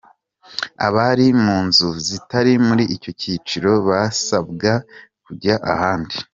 Abari mu nzu zitari muri icyo cyiciro basabwa kujya ahandi.